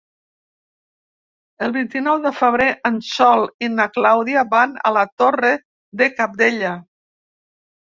El vint-i-nou de febrer en Sol i na Clàudia van a la Torre de Cabdella.